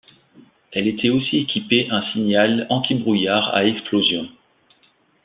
Elle était aussi équipé un signal anti-brouillard à explosion.